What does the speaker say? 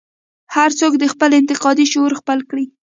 هر څوک دې خپل انتقادي شعور خپل کړي.